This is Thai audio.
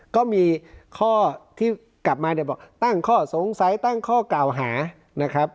ก็มีข้อที่กลับมาเนี่ยบอกตั้งข้อสงสัยตั้งข้อกล่าวหานะครับ